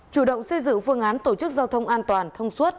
chủ động xây dựng phương án tổ chức giao thông an toàn thông suốt